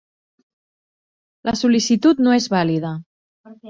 La sol·licitud no és vàlida.